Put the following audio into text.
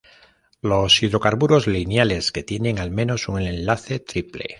Los hidrocarburos lineales que tienen al menos un enlace triple.